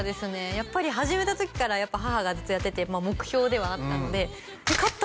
やっぱり始めた時から母がずっとやってて目標ではあったので勝った！